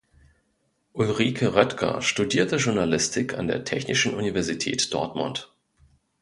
Ulrike Röttger studierte Journalistik an der Technischen Universität Dortmund.